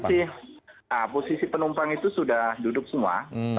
jadi posisi penumpang itu sudah duduk semua